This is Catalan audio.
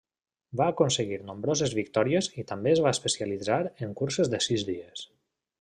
Va aconseguir nombroses victòries i també es va especialitzar en curses de sis dies.